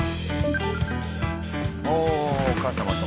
おおお母様と。